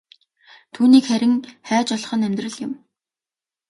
Түүнийг харин хайж олох нь амьдрал юм.